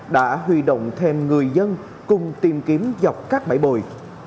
đã huy động thêm người dân cùng tìm kiếm dọc các bãi bồi